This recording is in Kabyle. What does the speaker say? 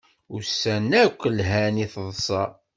Ussan akk lhan i taḍsa